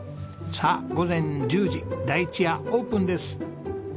さあ午前１０時「だいちや」オープンです。